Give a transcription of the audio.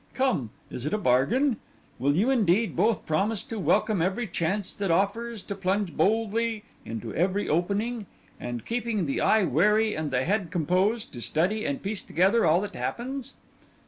Come, is it a bargain? Will you, indeed, both promise to welcome every chance that offers, to plunge boldly into every opening, and, keeping the eye wary and the head composed, to study and piece together all that happens?